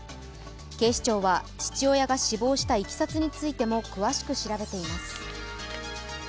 警視庁は、父親が死亡したいきさつについても詳しく調べています。